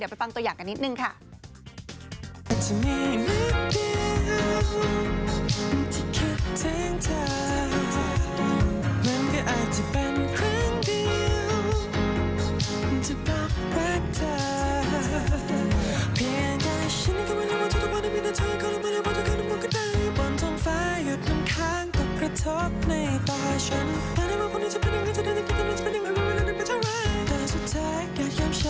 ไปฟังตัวอย่างกันนิดนึงค่ะ